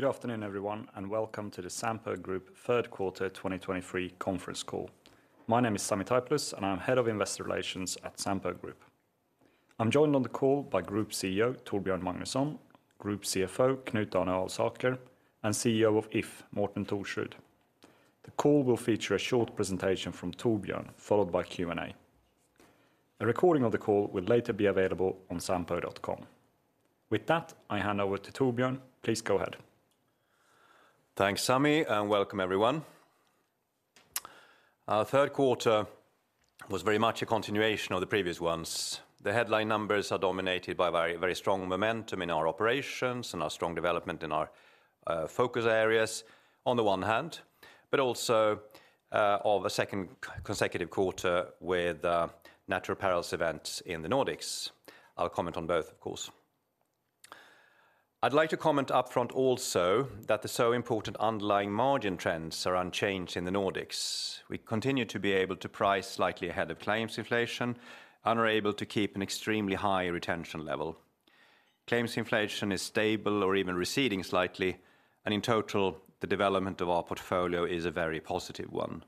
Good afternoon, everyone, and welcome to the Sampo Group Third Quarter 2023 Conference Call. My name is Sami Taipalus, and I'm Head of Investor Relations at Sampo Group. I'm joined on the call by Group CEO Torbjörn Magnusson, Group CFO, Knut Arne Alsaker, and CEO of If P&C, Morten Thorsrud. The call will feature a short presentation from Torbjörn, followed by Q&A. A recording of the call will later be available on www.sampo.com. With that, I hand over to Torbjörn. Please go ahead. Thanks, Sami, and welcome everyone. Our third quarter was very much a continuation of the previous ones. The headline numbers are dominated by very, very strong momentum in our operations and our strong development in our focus areas on the one hand, but also of a second consecutive quarter with natural perils events in the Nordics. I'll comment on both, of course. I'd like to comment upfront also that the so important underlying margin trends are unchanged in the Nordics. We continue to be able to price slightly ahead of claims inflation and are able to keep an extremely high retention level. Claims inflation is stable or even receding slightly, and in total, the development of our portfolio is a very positive one.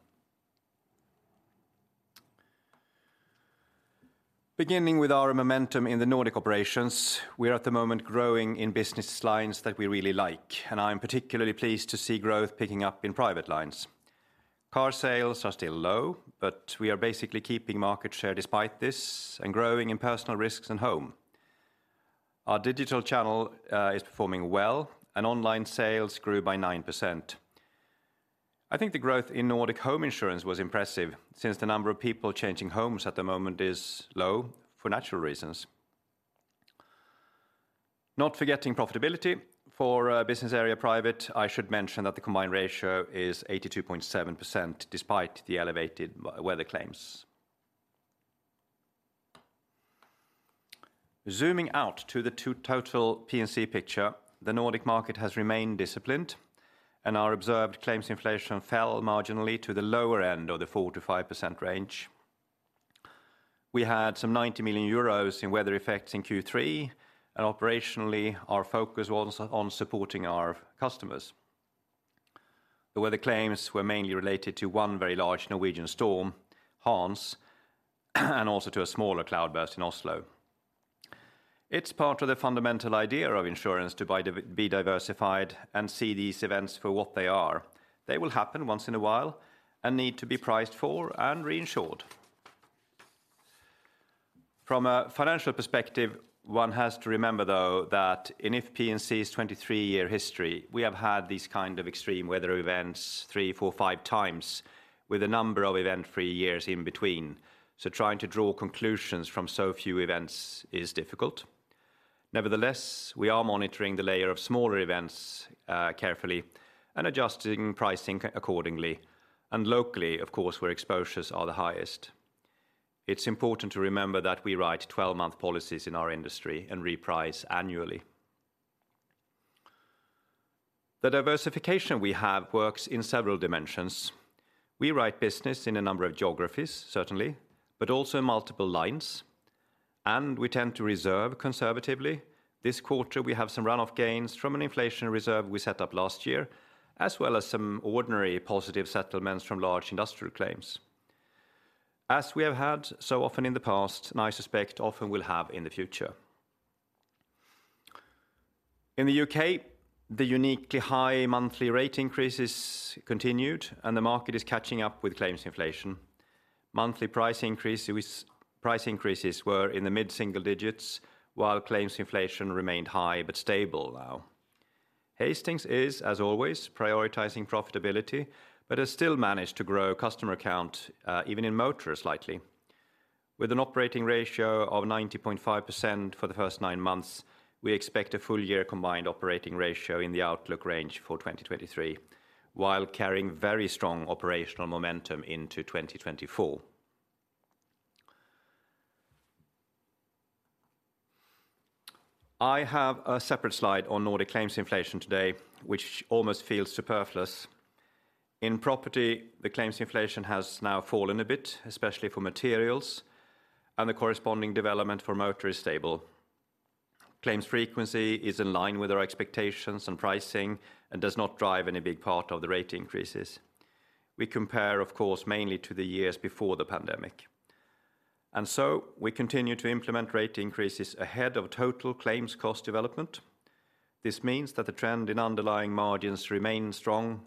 Beginning with our momentum in the Nordic operations, we are at the moment growing in business lines that we really like, and I'm particularly pleased to see growth picking up in private lines. Car sales are still low, but we are basically keeping market share despite this and growing in personal risks and home. Our digital channel is performing well, and online sales grew by 9%. I think the growth in Nordic home insurance was impressive, since the number of people changing homes at the moment is low for natural reasons. Not forgetting profitability for business area private, I should mention that the combined ratio is 82.7%, despite the elevated weather claims. Zooming out to the total P&C picture, the Nordic market has remained disciplined, and our observed claims inflation fell marginally to the lower end of the 4%-5% range. We had some 90 million euros in weather effects in Q3, and operationally, our focus was on supporting our customers. The weather claims were mainly related to one very large Norwegian storm, Hans, and also to a smaller cloudburst in Oslo. It's part of the fundamental idea of insurance to be diversified and see these events for what they are. They will happen once in a while and need to be priced for and reinsured. From a financial perspective, one has to remember, though, that in If P&C's 23-year history, we have had these kind of extreme weather events 3, 4, 5 times, with a number of event-free years in between. So trying to draw conclusions from so few events is difficult. Nevertheless, we are monitoring the layer of smaller events carefully and adjusting pricing accordingly, and locally, of course, where exposures are the highest. It's important to remember that we write 12-month policies in our industry and reprice annually. The diversification we have works in several dimensions. We write business in a number of geographies, certainly, but also in multiple lines, and we tend to reserve conservatively. This quarter, we have some runoff gains from an inflation reserve we set up last year, as well as some ordinary positive settlements from large industrial claims, as we have had so often in the past, and I suspect often will have in the future. In the U.K., the uniquely high monthly rate increases continued, and the market is catching up with claims inflation. Price increases were in the mid-single digits, while claims inflation remained high, but stable now. Hastings Group is, as always, prioritizing profitability, but has still managed to grow customer count, even in motor slightly. With an operating ratio of 90.5% for the first nine months, we expect a full year combined operating ratio in the outlook range for 2023, while carrying very strong operational momentum into 2024. I have a separate slide on Nordic claims inflation today, which almost feels superfluous. In property, the claims inflation has now fallen a bit, especially for materials, and the corresponding development for motor is stable. Claims frequency is in line with our expectations and pricing and does not drive any big part of the rate increases. We compare, of course, mainly to the years before the pandemic, and so we continue to implement rate increases ahead of total claims cost development. This means that the trend in underlying margins remains strong,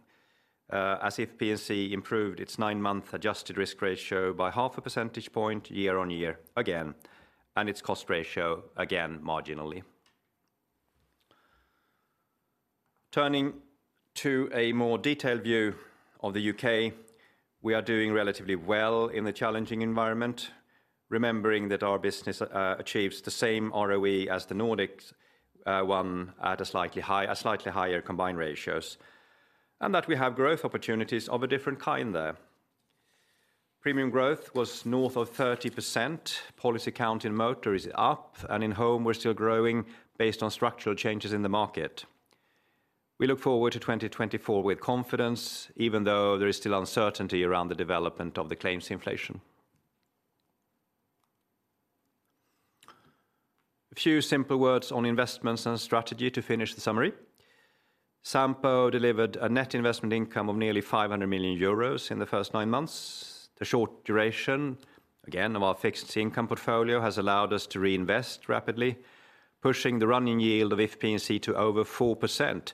as If P&C improved its nine-month adjusted risk ratio by 0.5 percentage points, year-on-year again, and its cost ratio again, marginally. Turning to a more detailed view of the UK, we are doing relatively well in the challenging environment, remembering that our business achieves the same ROE as the Nordics, at a slightly higher combined ratio, and that we have growth opportunities of a different kind there. Premium growth was north of 30%. Policy count in motor is up, and in home, we're still growing based on structural changes in the market. We look forward to 2024 with confidence, even though there is still uncertainty around the development of the claims inflation... A few simple words on investments and strategy to finish the summary. Sampo delivered a net investment income of nearly 500 million euros in the first nine months. The short duration, again, of our fixed income portfolio has allowed us to reinvest rapidly, pushing the running yield of If P&C to over 4%,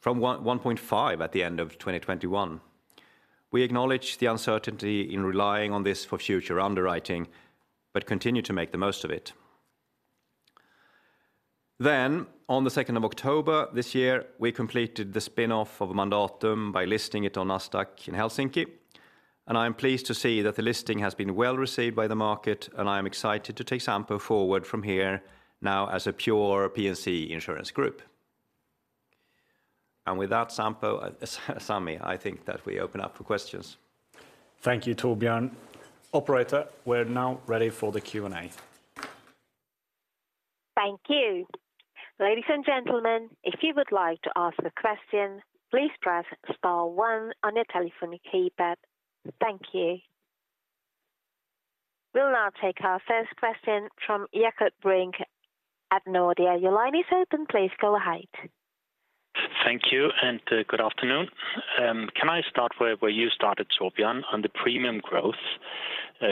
from 1.5% at the end of 2021. We acknowledge the uncertainty in relying on this for future underwriting, but continue to make the most of it. Then, on the 2 October this year, we completed the spin-off of Mandatum by listing it on Nasdaq Helsinki. I am pleased to see that the listing has been well received by the market, and I am excited to take Sampo forward from here now as a pure P&C insurance group. And with that, Sampo, Sami, I think that we open up for questions. Thank you, Torbjörn. Operator, we're now ready for the Q&A. Thank you. Ladies and gentlemen, if you would like to ask a question, please press star one on your telephone keypad. Thank you. We'll now take our first question from Jakob Brink at Nordea Markets. Your line is open. Please go ahead. Thank you, and good afternoon. Can I start where you started, Torbjörn, on the premium growth?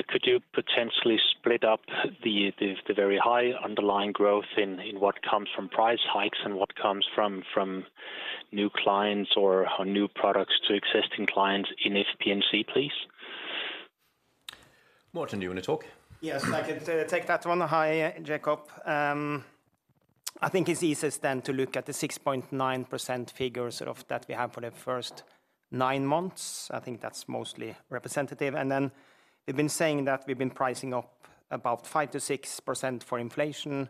Could you potentially split up the very high underlying growth in what comes from price hikes and what comes from new clients or on new products to existing clients in If P&C, please? Morten, do you want to talk? Yes, I can take that one. Hi, Jakob. I think it's easiest then to look at the 6.9% figures sort of that we have for the first nine months. I think that's mostly representative. And then we've been saying that we've been pricing up about 5%-6% for inflation,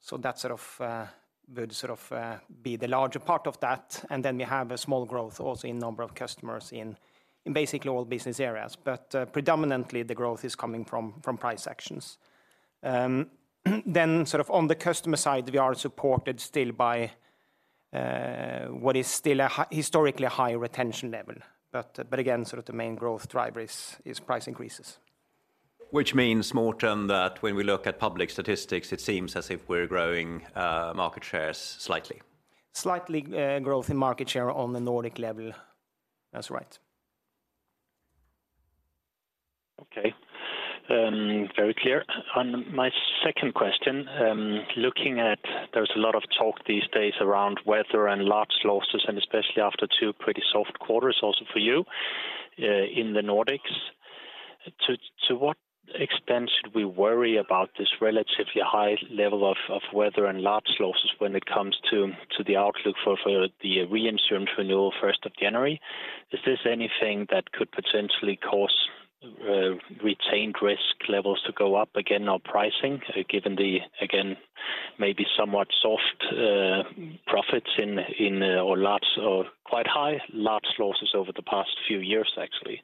so that sort of would sort of be the larger part of that. And then we have a small growth also in number of customers in basically all business areas. But predominantly the growth is coming from price actions. Then sort of on the customer side, we are supported still by what is still a historically high retention level. But again, sort of the main growth driver is price increases. Which means, Morten, that when we look at public statistics, it seems as if we're growing market shares slightly. Slightly, growth in market share on the Nordic level. That's right. Okay. Very clear. On my second question, looking at there's a lot of talk these days around weather and large losses, and especially after two pretty soft quarters also for you in the Nordics. To what extent should we worry about this relatively high level of weather and large losses when it comes to the outlook for the reinsurance renewal first of January? Is this anything that could potentially cause retained risk levels to go up again or pricing, given the again, maybe somewhat soft profits in or large or quite high large losses over the past few years, actually?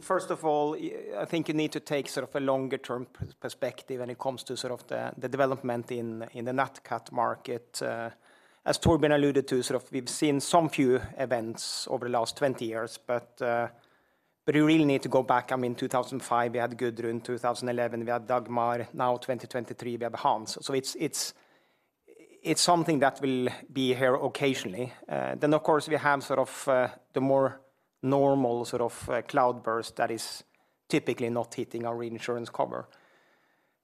First of all, I think you need to take sort of a longer term perspective when it comes to sort of the development in the net CAT market. As Torbjörn alluded to, sort of we've seen some few events over the last 20 years, but you really need to go back. I mean, in 2005, we had Gudrun, 2011, we had Dagmar, now 2023, we have Hans. So it's something that will be here occasionally. Then, of course, we have sort of the more normal sort of cloudburst that is typically not hitting our reinsurance cover.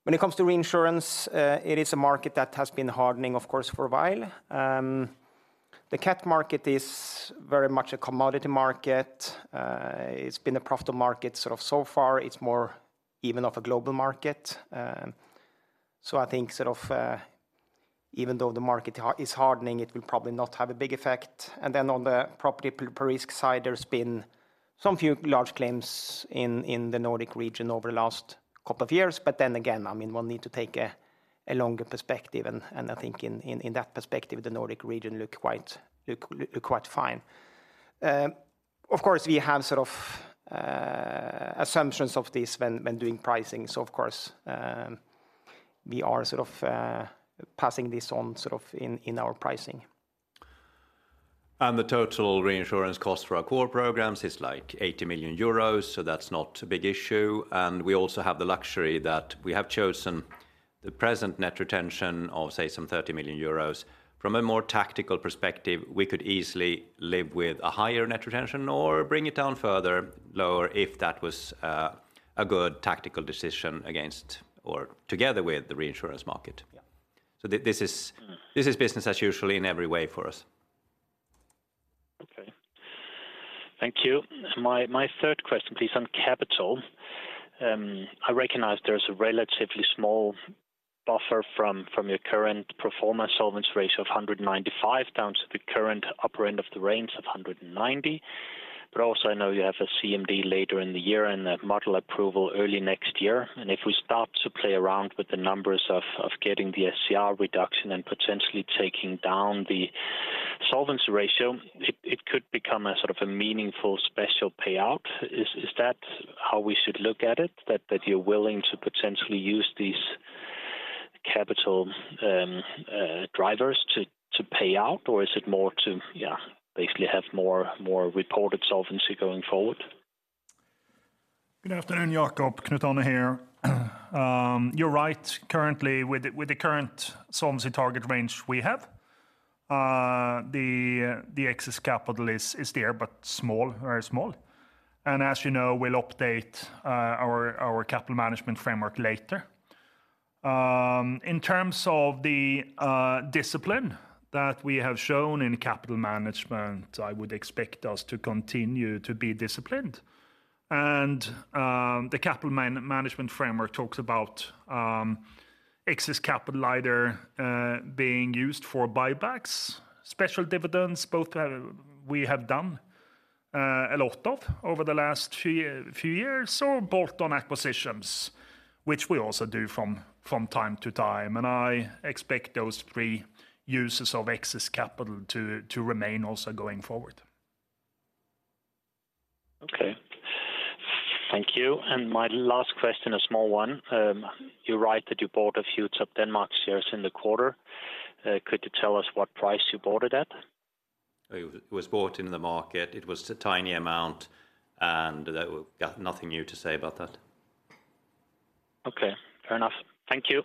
When it comes to reinsurance, it is a market that has been hardening, of course, for a while. The cat market is very much a commodity market, it's been a profitable market sort of so far. It's more even of a global market. So I think sort of, even though the market is hardening, it will probably not have a big effect. And then on the property per risk side, there's been some few large claims in the Nordic region over the last couple of years. But then again, I mean, one need to take a longer perspective, and I think in that perspective, the Nordic region look quite fine. Of course, we have sort of assumptions of this when doing pricing. So of course, we are sort of passing this on sort of in our pricing. The total reinsurance cost for our core programs is, like, 80 million euros, so that's not a big issue. We also have the luxury that we have chosen the present net retention of, say, some 30 million euros. From a more tactical perspective, we could easily live with a higher net retention or bring it down further lower if that was a good tactical decision against or together with the reinsurance market. Yeah. This is business as usual in every way for us. Okay. Thank you. My, my third question, please, on capital. I recognize there's a relatively small buffer from, from your current performer solvency ratio of 195 down to the current upper end of the range of 190. But also, I know you have a CMD later in the year and a model approval early next year. And if we start to play around with the numbers of, of getting the SCR reduction and potentially taking down the solvency ratio, it, it could become a sort of a meaningful special payout. Is, is that how we should look at it? That, that you're willing to potentially use these capital drivers to, to pay out, or is it more to, yeah, basically have more, more reported solvency going forward? Good afternoon, Jacob. Knut Arne here. You're right. Currently, with the current solvency target range we have, the excess capital is there but small, very small. And as you know, we'll update our capital management framework later. In terms of the discipline that we have shown in capital management, I would expect us to continue to be disciplined. And, the capital management framework talks about excess capital either being used for buybacks, special dividends, both we have done a lot of over the last few years, or bolt-on acquisitions, which we also do from time to time. And I expect those three uses of excess capital to remain also going forward. Okay. Thank you. And my last question, a small one. You write that you bought a few Topdanmark shares in the quarter. Could you tell us what price you bought it at? It was bought in the market. It was a tiny amount, and got nothing new to say about that. Okay, fair enough. Thank you.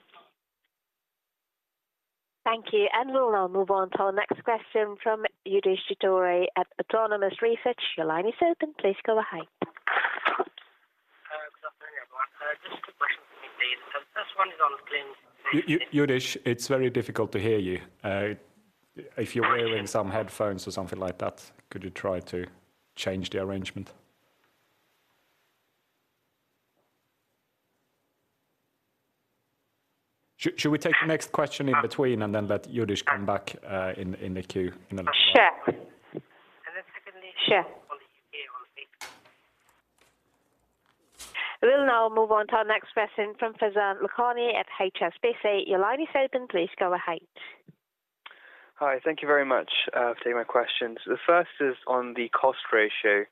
Thank you, and we'll now move on to our next question from Yudhistira at Autonomous Research. Your line is open. Please go ahead. Good afternoon, everyone. Just two questions for me, please. So the first one is on claim- Yudhistira, it's very difficult to hear you. If you're wearing some headphones or something like that, could you try to change the arrangement? Shall we take the next question in between and then let Yudhistira come back in the queue in a little while? Sure. And then, secondly— Sure. On the U.K. on this. We'll now move on to our next question from Faizan Lakhani at HSBC. Your line is open. Please go ahead. Hi, thank you very much for taking my questions. The first is on the cost ratio.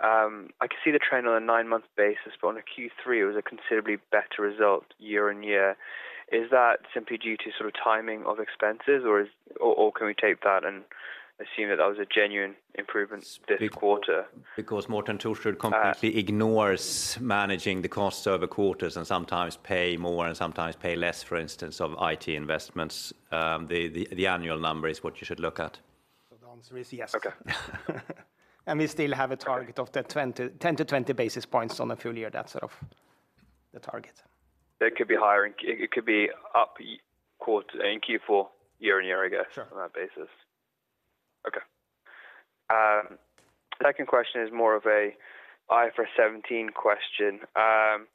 I can see the trend on a nine-month basis, but on a Q3, it was a considerably better result year-on-year. Is that simply due to sort of timing of expenses, or can we take that and assume that that was a genuine improvement this quarter? Because Morten Thorsrud completely- Uh- ignores managing the costs over quarters and sometimes pay more and sometimes pay less, for instance, of IT investments. The annual number is what you should look at. The answer is yes. Okay. We still have a target- Okay... of the 20, 10-20 basis points on a full year. That's sort of the target. It could be higher, and it, it could be up quarter, in Q4, year-on-year, I guess. Sure... on that basis. Okay. Second question is more of a IFRS 17 question. Can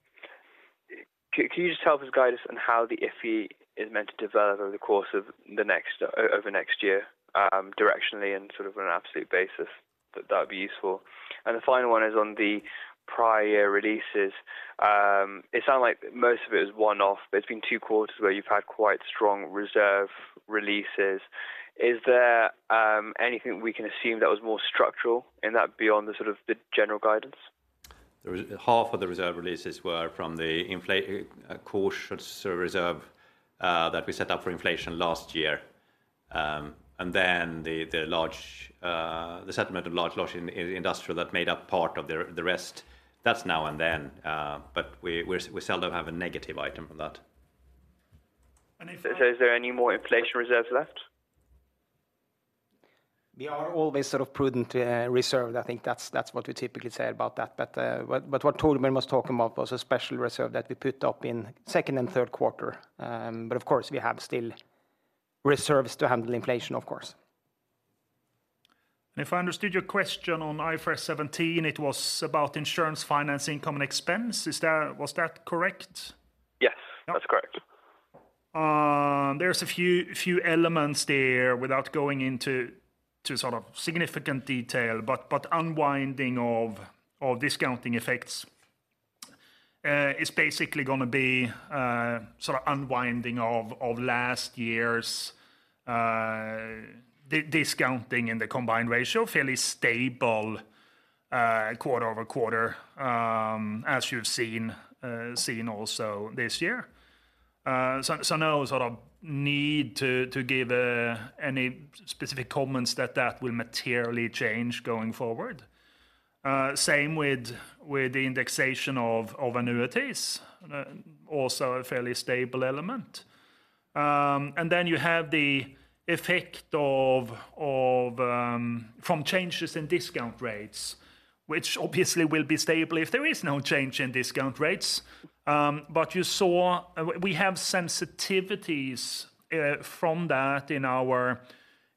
you just help us guide us on how the IFIE is meant to develop over the course of the next, over next year, directionally and sort of on an absolute basis? That, that would be useful. And the final one is on the prior releases. It sounds like most of it is one-off, but it's been two quarters where you've had quite strong reserve releases. Is there, anything we can assume that was more structural in that beyond the sort of the general guidance? Half of the reserve releases were from the inflation caution reserve that we set up for inflation last year. And then the large settlement of large in industrial that made up part of the rest. That's now and then, but we seldom have a negative item from that. Is there any more inflation reserves left? We are always sort of prudent, reserved. I think that's what we typically say about that. But what Torbjørn was talking about was a special reserve that we put up in second and third quarter. But of course, we have still reserves to handle inflation, of course. If I understood your question on IFRS 17, it was about insurance, finance, income, and expense. Is that... Was that correct? Yes, that's correct. There's a few elements there without going into to sort of significant detail, but unwinding of discounting effects is basically gonna be sort of unwinding of last year's discounting in the combined ratio, fairly stable quarter over quarter, as you've seen also this year. So no sort of need to give any specific comments that will materially change going forward. Same with the indexation of annuities, also a fairly stable element. And then you have the effect of from changes in discount rates, which obviously will be stable if there is no change in discount rates. But you saw we have sensitivities from that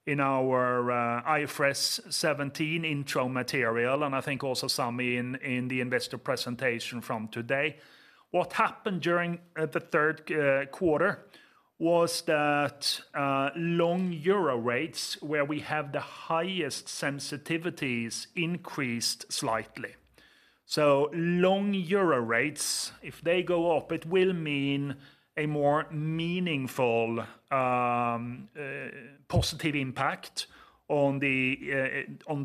in our IFRS 17 intro material, and I think also some in the investor presentation from today. What happened during the third quarter was that long euro rates, where we have the highest sensitivities increased slightly. So long euro rates, if they go up, it will mean a more meaningful positive impact on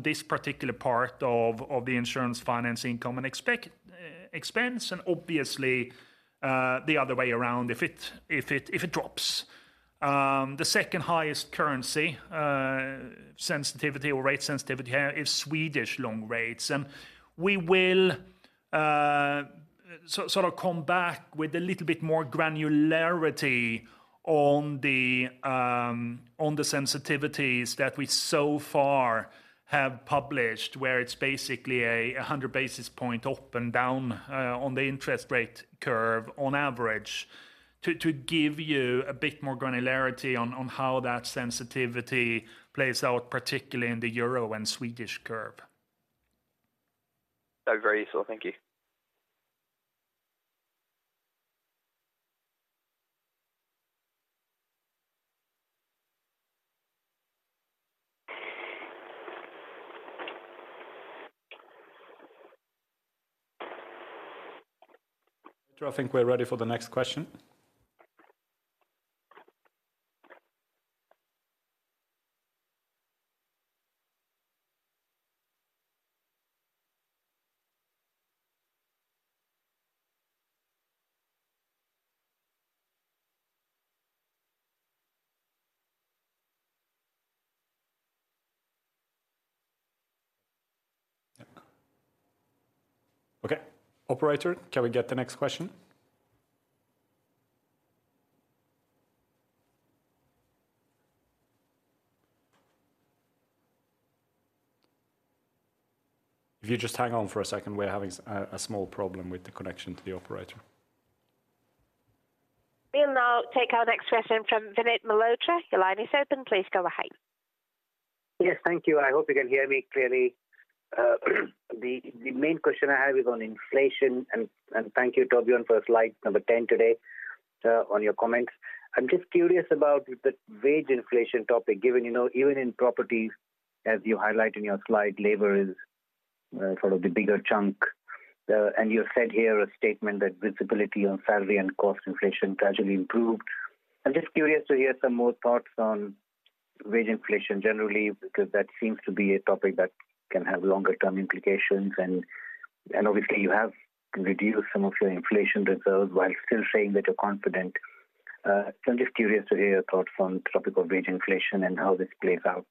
this particular part of the insurance finance income and expense, and obviously the other way around, if it drops. The second highest currency sensitivity or rate sensitivity here is Swedish long rates. We will sort of come back with a little bit more granularity on the sensitivities that we so far have published, where it's basically 100 basis point up and down on the interest rate curve on average, to give you a bit more granularity on how that sensitivity plays out, particularly in the euro and Swedish curve. That's very useful. Thank you. I think we're ready for the next question. Yeah. Okay. Operator, can we get the next question? If you just hang on for a second, we're having a small problem with the connection to the operator. We'll now take our next question from Vinit Malhotra. Your line is open. Please go ahead. Yes, thank you. I hope you can hear me clearly. The main question I have is on inflation, and thank you, Torbjörn, for Slide 10 today, on your comments. I'm just curious about the wage inflation topic, given, you know, even in properties, as you highlight in your slide, labor is sort of the bigger chunk. And you said here a statement that visibility on salary and cost inflation gradually improved. I'm just curious to hear some more thoughts on wage inflation generally, because that seems to be a topic that can have longer term implications. And obviously you have reduced some of your inflation reserves while still saying that you're confident. So I'm just curious to hear your thoughts on the topic of wage inflation and how this plays out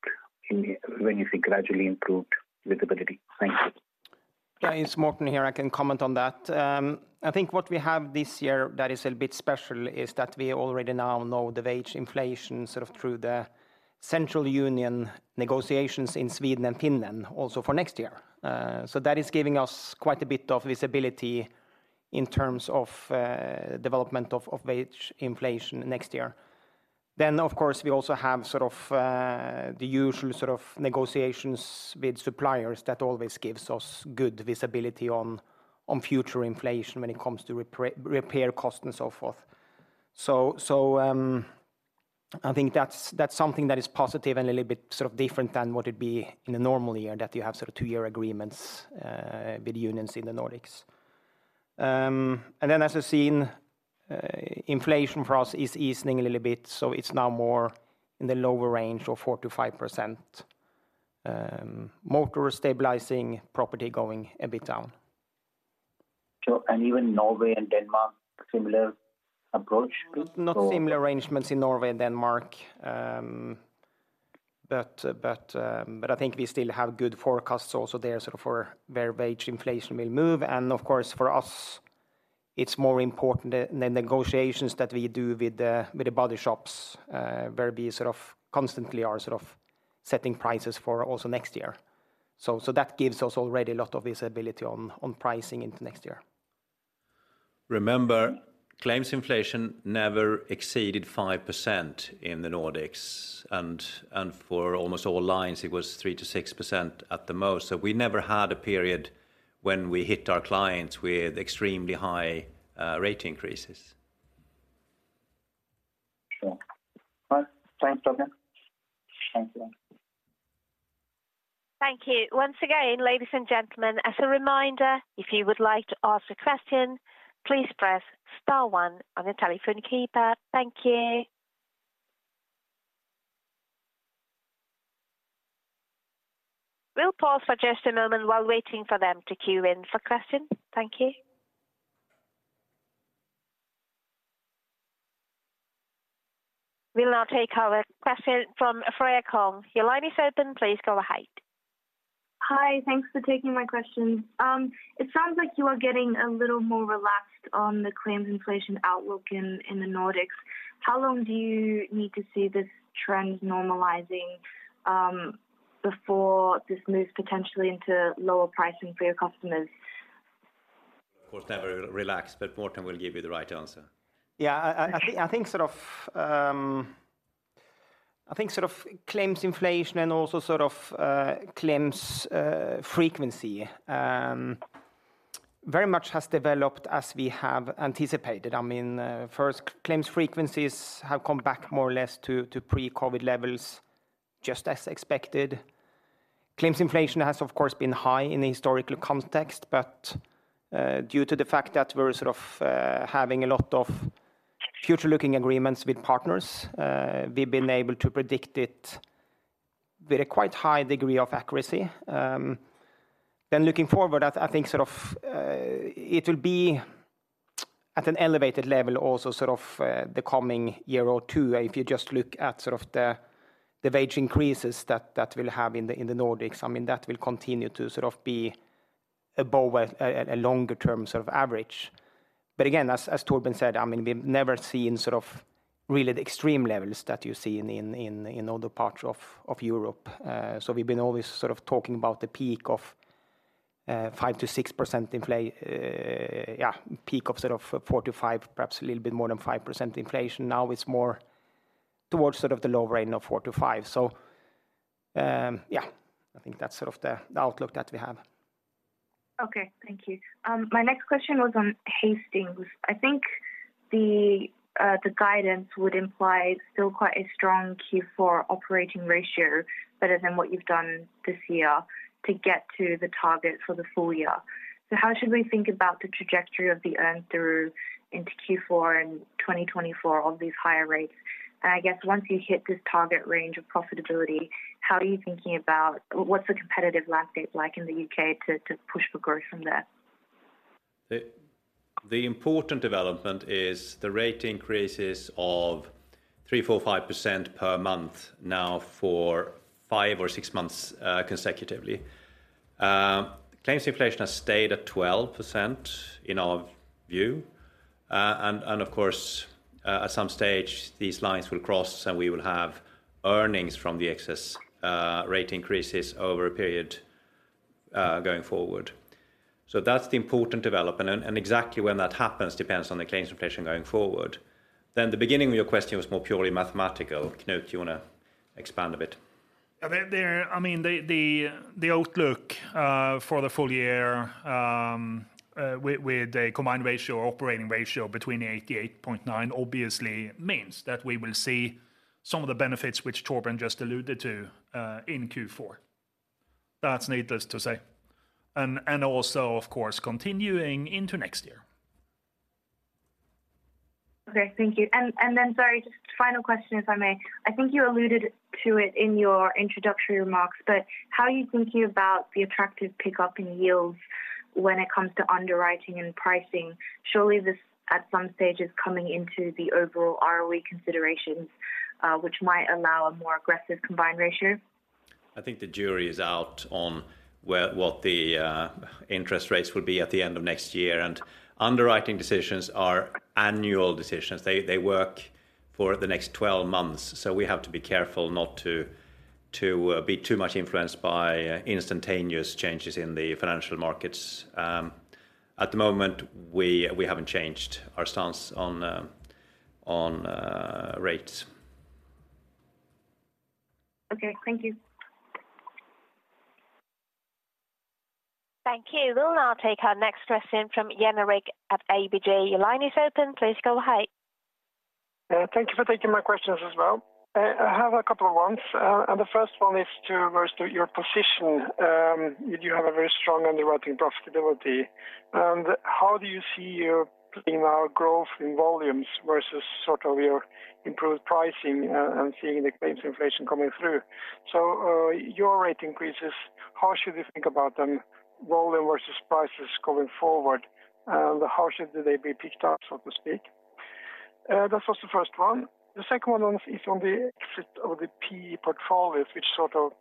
in the—when you say gradually improved visibility. Thank you. Yeah, it's Morten here. I can comment on that. I think what we have this year that is a bit special is that we already now know the wage inflation sort of through the central union negotiations in Sweden and Finland, also for next year. So that is giving us quite a bit of visibility in terms of development of wage inflation next year. Then, of course, we also have sort of the usual sort of negotiations with suppliers that always gives us good visibility on future inflation when it comes to repair cost and so forth. So, I think that's something that is positive and a little bit sort of different than what it'd be in a normal year, that you have sort of two-year agreements with unions in the Nordics. And then as I've seen, inflation for us is easing a little bit, so it's now more in the lower range of 4%-5%. Motor is stabilizing, property going a bit down. Sure. And even Norway and Denmark, similar approach to– Not similar arrangements in Norway and Denmark, but I think we still have good forecasts also there, sort of for where wage inflation will move. And of course, for us, it's more important the negotiations that we do with the body shops, where we sort of constantly are sort of setting prices for also next year. So that gives us already a lot of visibility on pricing into next year. Remember, claims inflation never exceeded 5% in the Nordics, and for almost all lines, it was 3%-6% at the most. So we never had a period when we hit our clients with extremely high rate increases. Sure. Thanks, Torbjörn. Thank you. Thank you. Once again, ladies and gentlemen, as a reminder, if you would like to ask a question, please press star one on your telephone keypad. Thank you. We'll pause for just a moment while waiting for them to queue in for questions. Thank you. We'll now take our question from Freya Kong. Your line is open. Please go ahead. Hi, thanks for taking my question. It sounds like you are getting a little more relaxed on the claims inflation outlook in the Nordics. How long do you need to see this trend normalizing, before this moves potentially into lower pricing for your customers? Of course, never relaxed, but Morten will give you the right answer. Yeah, I think sort of claims inflation and also sort of claims frequency very much has developed as we have anticipated. I mean, first, claims frequencies have come back more or less to pre-COVID-19 levels, just as expected. Claims inflation has, of course, been high in the historical context, but due to the fact that we're sort of having a lot of future-looking agreements with partners, we've been able to predict it with a quite high degree of accuracy. Then looking forward, I think sort of it will be at an elevated level, also sort of the coming year or two. If you just look at sort of the wage increases that will have in the Nordics, I mean, that will continue to sort of be above a longer term sort of average. But again, as Torbjörn said, I mean, we've never seen sort of really the extreme levels that you see in other parts of Europe. So we've been always sort of talking about the peak of five to six percent—yeah, peak of sort of 4-5, perhaps a little bit more than 5% inflation. Now, it's more towards sort of the low range of 4-5. So, yeah, I think that's sort of the outlook that we have. Okay, thank you. My next question was on Hastings. I think the guidance would imply still quite a strong Q4 operating ratio, better than what you've done this year, to get to the target for the full year. So how should we think about the trajectory of the earn through into Q4 and 2024 of these higher rates? And I guess once you hit this target range of profitability, how are you thinking about... What's the competitive landscape like in the U.K. to, to push for growth from there? The important development is the rate increases of 3%-5% per month now for 5 or 6 months consecutively. Claims inflation has stayed at 12% in our view. And, of course, at some stage, these lines will cross, and we will have earnings from the excess rate increases over a period going forward. So that's the important development, and exactly when that happens depends on the claims inflation going forward. Then the beginning of your question was more purely mathematical. Knut, do you wanna expand a bit? I mean, the outlook for the full year with a combined ratio or operating ratio between 88.9 obviously means that we will see some of the benefits which Torbjörn just alluded to in Q4. That's needless to say, and also, of course, continuing into next year. Okay, thank you. And, and then, sorry, just final question, if I may. I think you alluded to it in your introductory remarks, but how are you thinking about the attractive pickup in yields when it comes to underwriting and pricing? Surely this, at some stage, is coming into the overall ROE considerations, which might allow a more aggressive combined ratio. I think the jury is out on where what the interest rates will be at the end of next year, and underwriting decisions are annual decisions. They, they work for the next 12 months, so we have to be careful not to be too much influenced by instantaneous changes in the financial markets. At the moment, we, we haven't changed our stance on rates. Okay, thank you. Thank you. We'll now take our next question from Jan Erik at ABG. Your line is open. Please go ahead. Thank you for taking my questions as well. I have a couple of ones, and the first one is to your position. You do have a very strong underwriting profitability, and how do you see your premium growth in volumes versus sort of your improved pricing, and seeing the claims inflation coming through? So, your rate increases, how should we think about them, volume versus prices going forward? How should they be picked up, so to speak? That was the first one. The second one is on the exit of the PE portfolios, which sort of,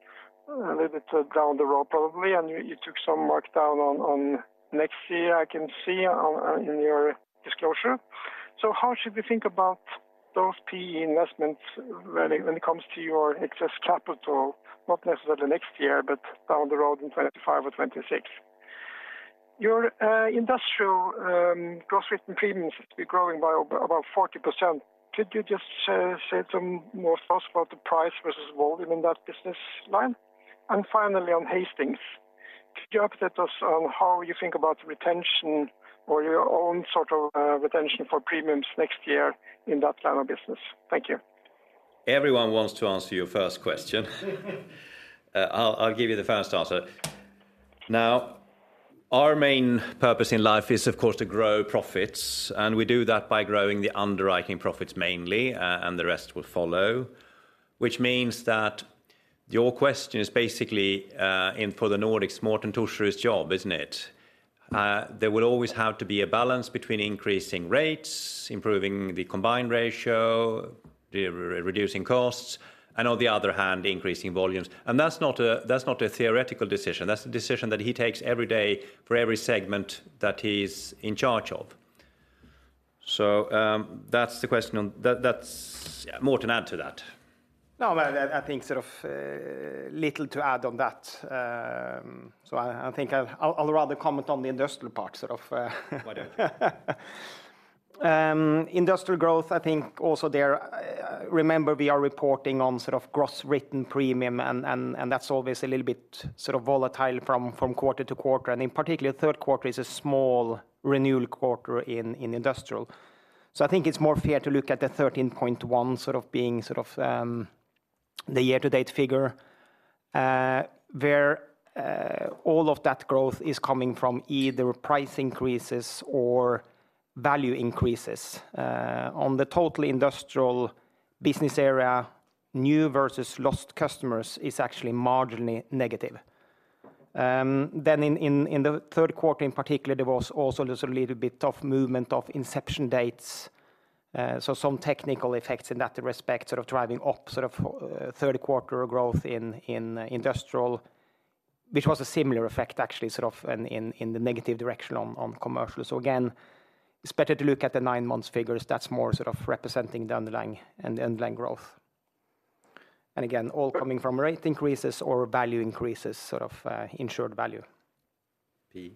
a little bit, down the road, probably, and you, you took some mark down on, on next year, I can see on, in your disclosure. So how should we think about those PE investments when it comes to your excess capital, not necessarily next year, but down the road in 25 or 26? Your industrial gross written premiums to be growing by about 40%. Could you just say some more thoughts about the price versus volume in that business line? And finally, on Hastings, could you update us on how you think about retention or your own sort of retention for premiums next year in that line of business? Thank you. Everyone wants to answer your first question. I'll give you the first answer. Now, our main purpose in life is, of course, to grow profits, and we do that by growing the underwriting profits mainly, and the rest will follow. Which means that your question is basically, in for the Nordics, Morten Thorsrud's job, isn't it? There will always have to be a balance between increasing rates, improving the combined ratio, reducing costs, and on the other hand, increasing volumes. And that's not a theoretical decision. That's a decision that he takes every day for every segment that he's in charge of. So, that's the question on... That's... Morten, add to that. No, well, I think sort of little to add on that. So I think I'll rather comment on the industrial part, sort of. Whatever. Industrial growth, I think also there, remember, we are reporting on sort of gross written premium, and that's always a little bit sort of volatile from quarter to quarter, and in particular, third quarter is a small renewal quarter in industrial. So I think it's more fair to look at the 13.1 sort of being sort of the year-to-date figure, where all of that growth is coming from either price increases or value increases. On the total industrial business area, new versus lost customers is actually marginally negative. Then in the third quarter, in particular, there was also there's a little bit of movement of inception dates. So, some technical effects in that respect, sort of driving up, sort of, third quarter growth in industrial, which was a similar effect, actually, sort of, in the negative direction on commercial. So again, it's better to look at the nine months figures. That's more sort of representing the underlying and the underlying growth. And again, all coming from rate increases or value increases, sort of, insured value. PE.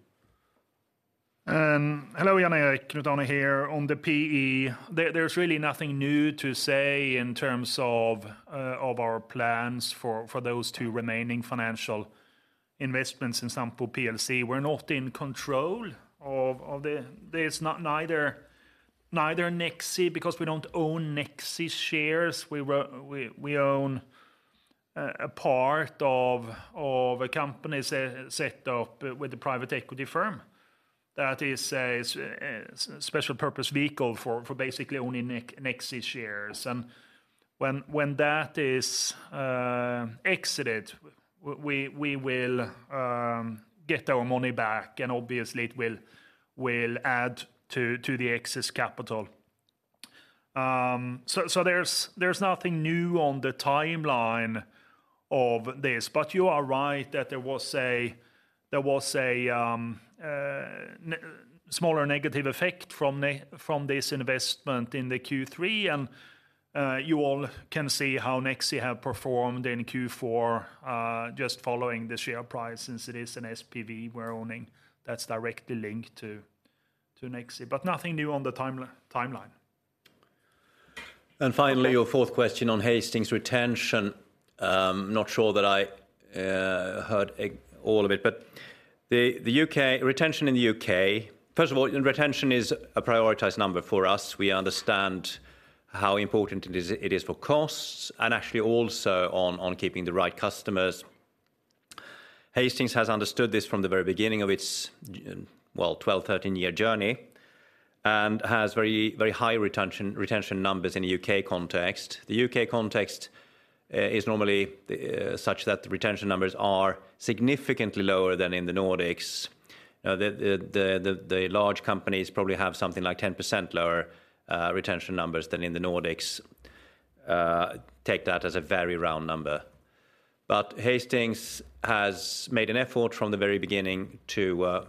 Hello, Jan Erik, Knut here. On the PE, there's really nothing new to say in terms of our plans for those two remaining financial investments in Sampo Plc. We're not in control of the-- There's not neither Nexi, because we don't own Nexi shares. We own a part of a company set up with a private equity firm. That is a special purpose vehicle for basically owning Nexi shares. And when that is exited, we will get our money back, and obviously, it will add to the excess capital. So there's nothing new on the timeline of this, but you are right that there was a smaller negative effect from this investment in the Q3. You all can see how Nexi have performed in Q4, just following the share price, since it is an SPV we're owning, that's directly linked to Nexi. But nothing new on the timeline. And finally, your fourth question on Hastings retention. I'm not sure that I heard all of it, but the U.K.... Retention in the U.K., first of all, retention is a prioritized number for us. We understand how important it is, it is for costs, and actually also on keeping the right customers. Hastings has understood this from the very beginning of its 12, 13-year journey, and has very, very high retention, retention numbers in the U.K. context. The U.K. context is normally such that the retention numbers are significantly lower than in the Nordics. The large companies probably have something like 10% lower retention numbers than in the Nordics. Take that as a very round number. But Hastings has made an effort from the very beginning to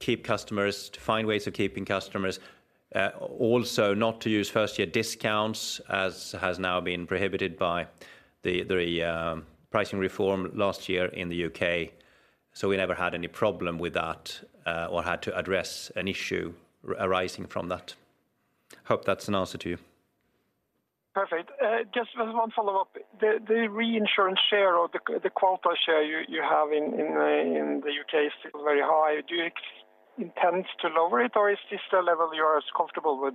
keep customers, to find ways of keeping customers, also not to use first-year discounts, as has now been prohibited by the pricing reform last year in the U.K. So we never had any problem with that, or had to address an issue arising from that. Hope that's an answer to you. Perfect. Just one follow-up. The reinsurance share or the quota share you have in the UK is still very high. Do you intend to lower it, or is this the level you are as comfortable with?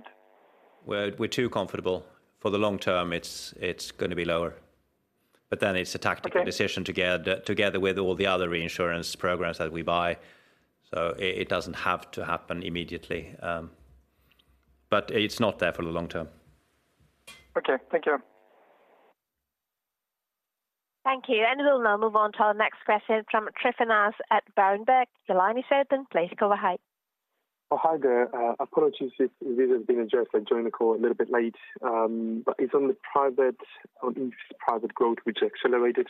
We're too comfortable. For the long term, it's gonna be lower, but then it's a tactical- Okay. decision together, together with all the other reinsurance programs that we buy. So it doesn't have to happen immediately, but it's not there for the long term. Okay, thank you. Thank you, and we'll now move on to our next question from Tryfonas at Berenberg. Your line is open. Please go ahead. Oh, hi there. Apologies if this has been addressed. I joined the call a little bit late, but it's on the private, on private growth, which accelerated,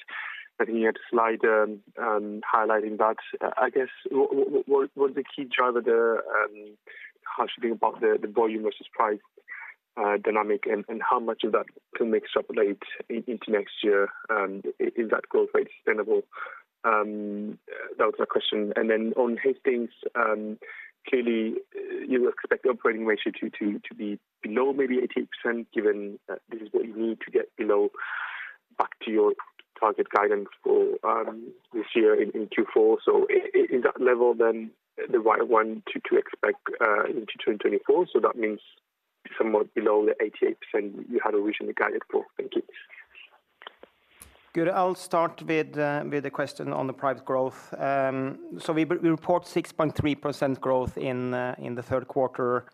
I think you had a slide, highlighting that. I guess, what the key driver there, how should we think about the, the volume versus price, dynamic, and, and how much of that can mix up late into next year? Is that growth rate sustainable? That was my question. And then on Hastings, clearly, you expect the operating ratio to be below maybe 88%, given that this is what you need to get below, back to your target guidance for, this year in Q4. So is that level, then, the right one to expect, into 2024? That means somewhat below the 88% you had originally guided for. Thank you. Good. I'll start with the question on the private growth. So we report 6.3% growth in the third quarter.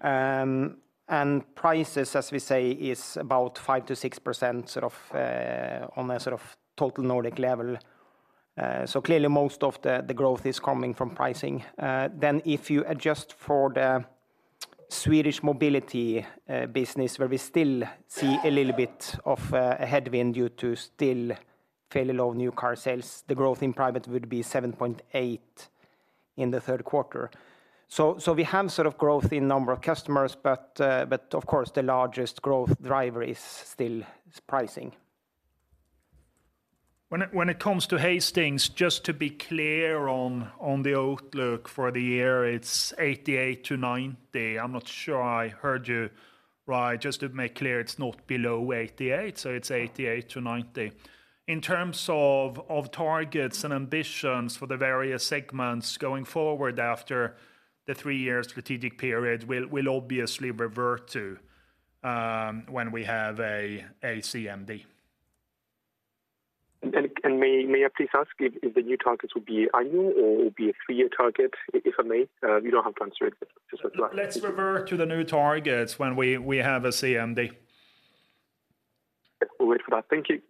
And prices, as we say, is about 5%-6%, sort of, on a sort of total Nordic level. So clearly, most of the growth is coming from pricing. Then if you adjust for the Swedish mobility business, where we still see a little bit of a headwind due to still fairly low new car sales, the growth in private would be 7.8% in the third quarter. So we have sort of growth in number of customers, but of course, the largest growth driver is still pricing. When it comes to Hastings, just to be clear on the outlook for the year, it's 88-90. I'm not sure I heard you- ...Right, just to make clear, it's not below 88, so it's 88-90. In terms of targets and ambitions for the various segments going forward after the three-year strategic period, we'll obviously revert to when we have a CMD. May I please ask if the new targets will be annual or will be a three-year target, if I may? You don't have to answer it just as well. Let's revert to the new targets when we have a CMD. We'll wait for that. Thank you.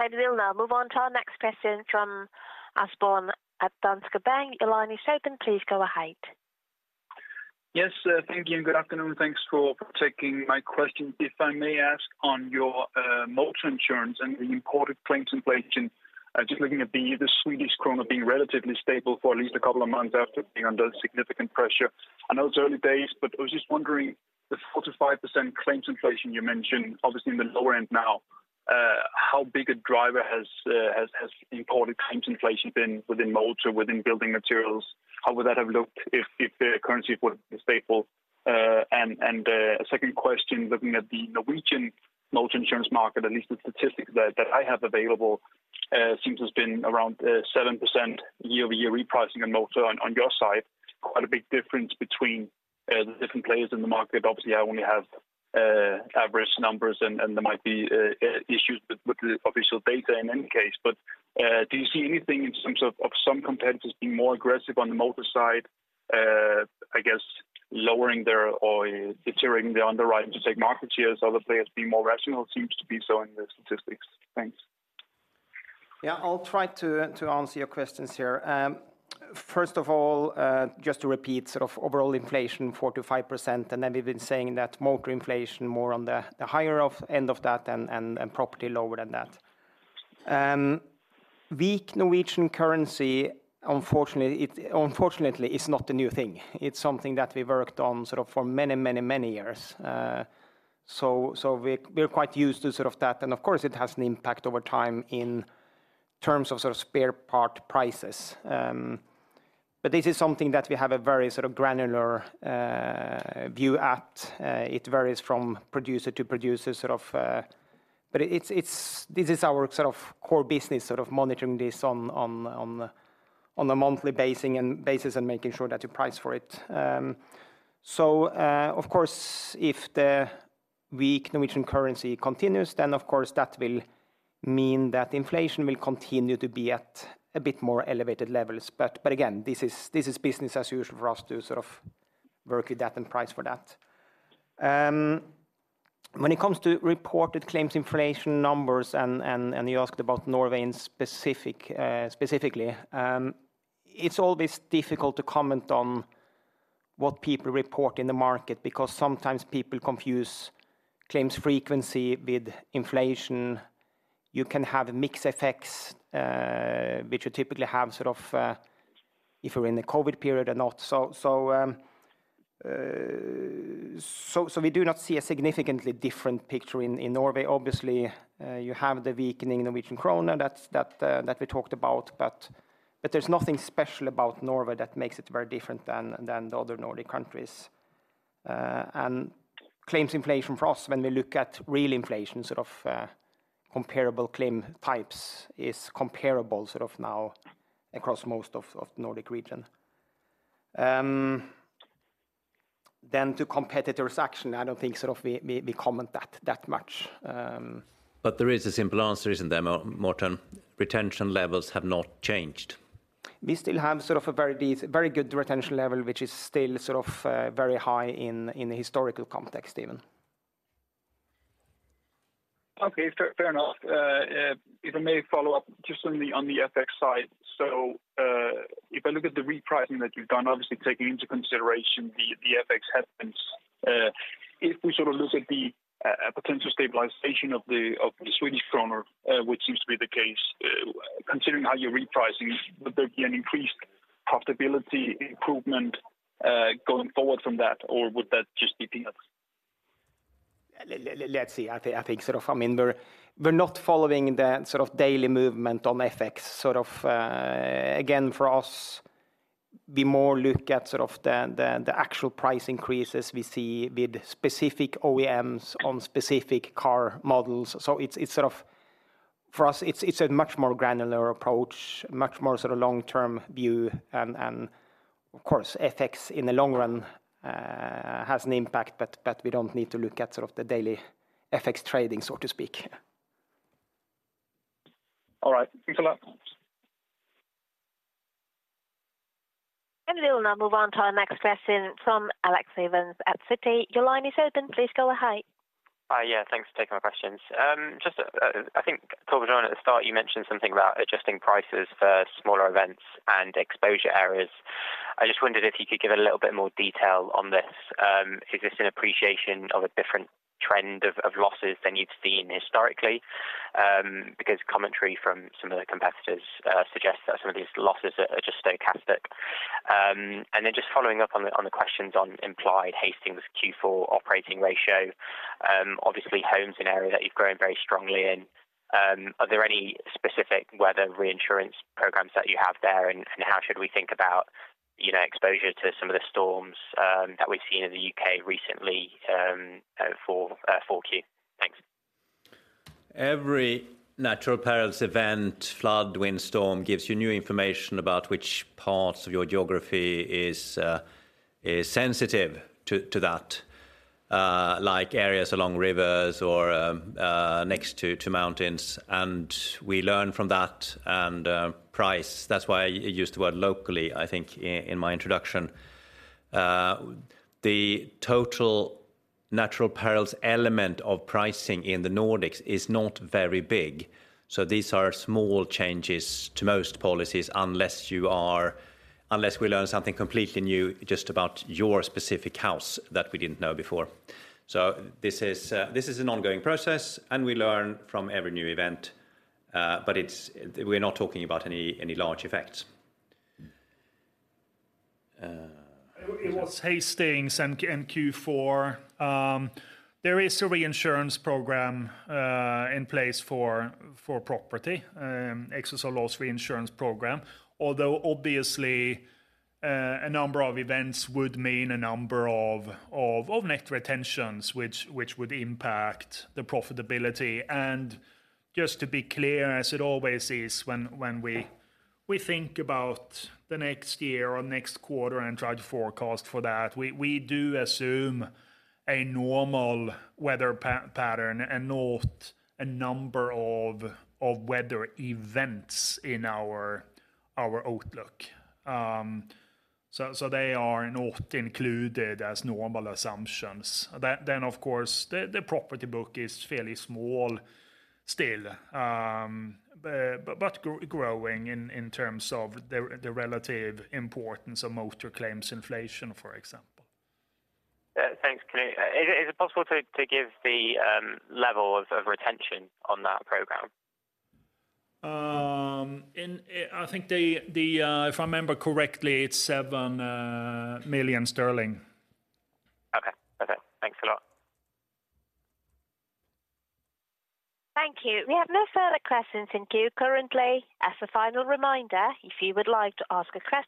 We'll now move on to our next question from Asbjørn at Danske Bank. Your line is open. Please go ahead. Yes, thank you and good afternoon. Thanks for taking my question. If I may ask on your motor insurance and the imported claims inflation, just looking at the Swedish krona being relatively stable for at least a couple of months after being under significant pressure. I know it's early days, but I was just wondering, the 4%-5% claims inflation you mentioned, obviously in the lower end now, how big a driver has imported claims inflation been within motor, within building materials? How would that have looked if the currency was stable? And a second question, looking at the Norwegian motor insurance market, at least the statistics that I have available, seems to have been around 7% year-over-year repricing on motor on your side. Quite a big difference between the different players in the market. Obviously, I only have average numbers and there might be issues with the official data in any case. But do you see anything in terms of some competitors being more aggressive on the motor side, I guess, lowering their or deteriorating their underwriting to take market shares, other players being more rational seems to be so in the statistics. Thanks. Yeah, I'll try to, to answer your questions here. First of all, just to repeat, sort of overall inflation, 4%-5%, and then we've been saying that motor inflation more on the, the higher end of that and property lower than that. Weak Norwegian currency, unfortunately, it unfortunately is not a new thing. It's something that we've worked on sort of for many, many, many years. So, so we're quite used to sort of that, and of course, it has an impact over time in terms of sort of spare part prices. But this is something that we have a very sort of granular view at. It varies from producer to producer, sort of, but it's, it's this is our sort of core business, sort of monitoring this on a monthly basis and making sure that you price for it. So, of course, if the weak Norwegian currency continues, then of course that will mean that inflation will continue to be at a bit more elevated levels. But again, this is, this is business as usual for us to sort of work with that and price for that. When it comes to reported claims inflation numbers and you asked about Norway in specific, specifically, it's always difficult to comment on what people report in the market because sometimes people confuse claims frequency with inflation. You can have mixed effects, which you typically have sort of, if you're in the COVID period or not. We do not see a significantly different picture in Norway. Obviously, you have the weakening Norwegian krone, that's that we talked about, but there's nothing special about Norway that makes it very different than the other Nordic countries. And claims inflation for us, when we look at real inflation, sort of, comparable claim types, is comparable sort of now across most of the Nordic region. Then to competitors' action, I don't think sort of we comment that much. But there is a simple answer, isn't there, Morten? Retention levels have not changed. We still have sort of a very deep, very good retention level, which is still sort of very high in the historical context, even. Okay, fair, fair enough. If I may follow up just on the, on the FX side. So, if I look at the repricing that you've done, obviously taking into consideration the, the FX headwinds, if we sort of look at the, potential stabilization of the, of the Swedish krona, which seems to be the case, considering how you're repricing, would there be an increased profitability improvement, going forward from that, or would that just be peanuts? Let's see. I think, I think sort of I mean, we're not following the sort of daily movement on FX. Sort of, again, for us, we more look at sort of the actual price increases we see with specific OEMs on specific car models. So it's sort of, for us, it's a much more granular approach, much more sort of long-term view. And of course, FX in the long run has an impact, but we don't need to look at sort of the daily FX trading, so to speak. All right. Thank you a lot. We will now move on to our next question from Alex Evans at Citi. Your line is open, please go ahead. Yeah, thanks for taking my questions. Just, I think, Torbjörn, at the start, you mentioned something about adjusting prices for smaller events and exposure areas. I just wondered if you could give a little bit more detail on this. Is this an appreciation of a different trend of losses than you've seen historically? Because commentary from some of the competitors suggests that some of these losses are just stochastic. And then just following up on the questions on implied Hastings Q4 operating ratio, obviously, homes is an area that you've grown very strongly in. Are there any specific weather reinsurance programs that you have there, and how should we think about, you know, exposure to some of the storms that we've seen in the UK recently, for Q4? Thanks. Every natural perils event, flood, windstorm, gives you new information about which parts of your geography is sensitive to that, like areas along rivers or next to mountains, and we learn from that and price. That's why I use the word locally, I think, in my introduction. The total natural perils element of pricing in the Nordics is not very big, so these are small changes to most policies, unless we learn something completely new just about your specific house that we didn't know before. So this is an ongoing process, and we learn from every new event, but it's... We're not talking about any large effects. It was Hastings and Q4. There is a reinsurance program in place for property excess of loss reinsurance program. Although obviously, a number of events would mean a number of net retentions, which would impact the profitability. Just to be clear, as it always is, when we think about the next year or next quarter and try to forecast for that, we do assume a normal weather pattern and not a number of weather events in our outlook. So they are not included as normal assumptions. Then, of course, the property book is fairly small still, but growing in terms of the relative importance of motor claims inflation, for example. Thanks. Can you... Is it possible to give the level of retention on that program? I think if I remember correctly, it's 7 million sterling. Okay. Okay, thanks a lot. Thank you. We have no further questions in queue currently. As a final reminder, if you would like to ask a question-